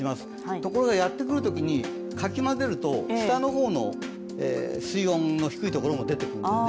ところが、やってくるときに、かき混ぜると下の方の水温の低いところも出てきます。